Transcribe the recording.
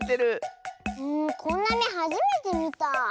こんなめはじめてみた。